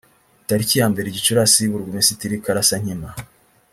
tariki yambere gicurasi burugumesitiri karasankima